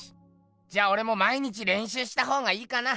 じゃあ俺も毎日れんしゅうしたほうがいいかな。